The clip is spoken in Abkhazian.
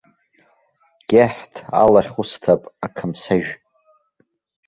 Геҳҭ алахь усҭап, ақамсажә!